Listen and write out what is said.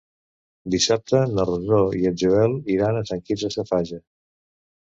Dissabte na Rosó i en Joel iran a Sant Quirze Safaja.